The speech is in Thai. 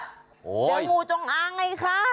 เจองูจงอ้างไงคะ